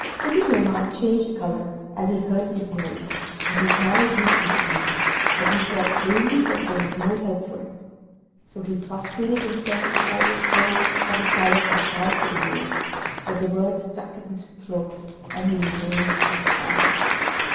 Sidi Nouman changed colour as he heard these words, and his manner grew confused; but he saw plainly that there was no help for it. So he prostrated himself before the throne of the Caliph and tried to obey, but the words stuck in his throat, and he remained silent.